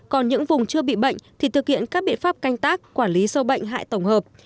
còn những vùng chưa bị bệnh thì thực hiện các biện pháp canh tác quản lý sâu bệnh hại tổng hợp